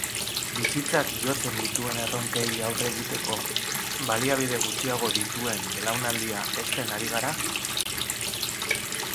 Bizitzak jotzen dituen erronkei aurre egiteko baliabide gutxiago dituen belaunaldia hezten ari gara?